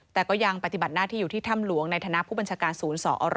แต่ก็ยังปฏิบัติหน้าที่อยู่ที่ถ้ำหลวงในฐานะผู้บัญชาการศูนย์สอร